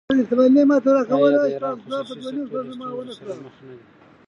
آیا د ایران خصوصي سکتور له ستونزو سره مخ نه دی؟